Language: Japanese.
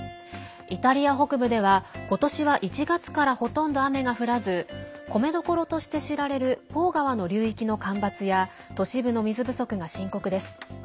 イタリア北部ではことしは１月からほとんど雨が降らず米どころとして知られるポー川の流域の干ばつや都市部の水不足が深刻です。